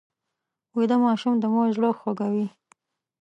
ویده ماشوم د مور زړه خوږوي